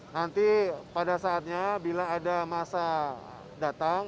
nanti pada saatnya bila ada masa datang